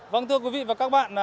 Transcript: vâng thưa quý vị và các bạn